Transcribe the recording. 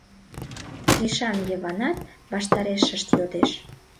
— Кришан Йыванат ваштарешышт йодеш.